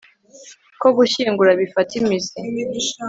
Ko gushyingura bifata imizi